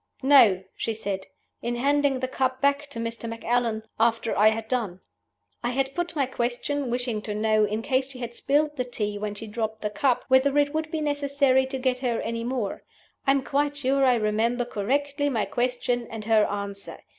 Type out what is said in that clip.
'No,' she said; 'in handing the cup back to Mr. Macallan, after I had done.' I had put my question, wishing to know, in case she had spilled the tea when she dropped the cup, whether it would be necessary to get her any more. I am quite sure I remember correctly my question and her answer.